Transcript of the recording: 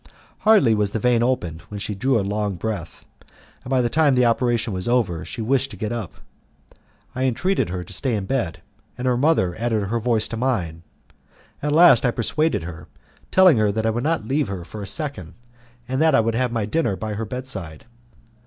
Hardly was the vein opened when she drew a long breath, and by the time the operation was over she wished to get up. I entreated her to stay in bed, and her mother added her voice to mine; at last I persuaded her, telling her that I would not leave her for a second, and that I would have my dinner by her bedside.